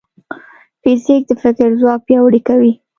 فزیک د فکر ځواک پیاوړی کوي.